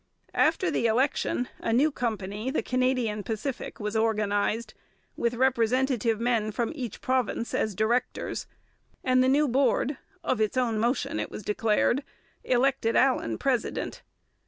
After the election a new company, the Canadian Pacific, was organized, with representative men from each province as directors; and the new board, of its own motion, it was declared, elected Allan president.